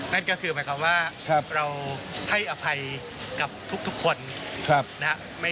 นั่นก็คือหมายความว่าเราให้อภัยกับทุกคนนะครับ